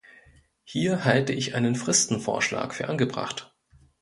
Hier halte ich einen Fristenvorschlag für angebracht.